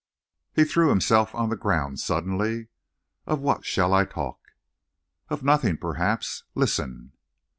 He threw himself on the ground sullenly. "Of what shall I talk?" "Of nothing, perhaps. Listen!"